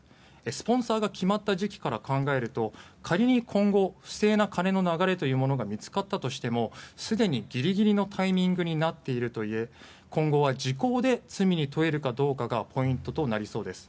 スポンサーが決まった時期から考えると仮に今後不正な金の流れというものが見つかったとしてもすでにギリギリのタイミングになっており今後は時効で罪に問えるかどうかがポイントとなりそうです。